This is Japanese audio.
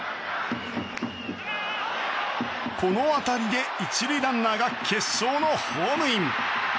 この当たりで１塁ランナーが決勝のホームイン！